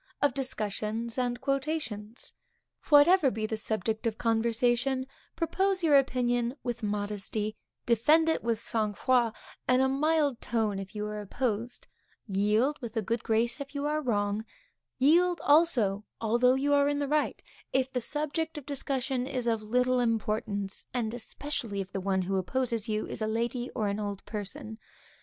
Of Discussions and Quotations. Whatever be the subject of conversation, propose your opinion with modesty; defend it with sangfroid and a mild tone if you are opposed; yield with a good grace if you are wrong; yield also, although you are in the right, if the subject of discussion is of little importance, and especially if the one who opposes you is a lady, or an old person.